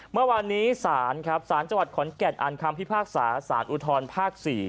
เมื่อวานนี้ศาลครับสารจังหวัดขอนแก่นอ่านคำพิพากษาสารอุทธรภาค๔